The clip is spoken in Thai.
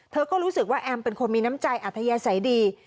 เธอก็รู้สึกว่าแอมเป็นคนมีน้ำใจอัธยาศัยดี